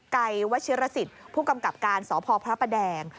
ไววชิรสิทธิ์ผู้กำกับการสพพระประแดง